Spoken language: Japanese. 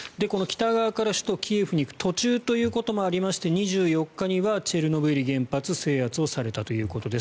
この北側から首都キエフに行く途中ということもありまして２４日にはチェルノブイリ原発制圧されたと。